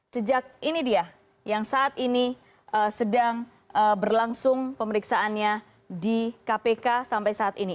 sejak ini dia yang saat ini sedang berlangsung pemeriksaannya di kpk sampai saat ini